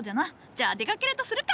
じゃあ出かけるとするか！